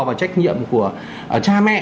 và trách nhiệm của cha mẹ